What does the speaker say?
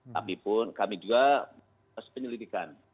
tapi pun kami juga harus penyelidikan